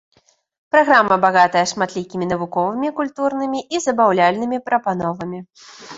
Праграма багатая шматлікімі навуковымі, культурнымі і забаўляльнымі прапановамі.